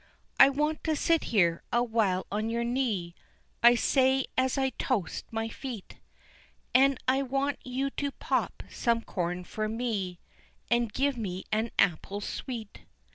"I want to sit here awhile on your knee," I say as I toast my feet, "And I want you to pop some corn for me, And give me an apple sweet."